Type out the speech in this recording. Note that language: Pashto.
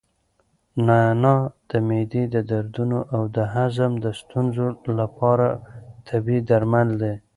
نعناع د معدې د دردونو او د هضم د ستونزو لپاره طبیعي درمل دي.